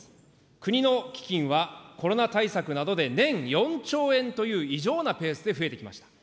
国の基金は、コロナ対策などで年４兆円という異常なペースで増えてきました。